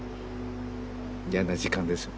嫌な時間ですよね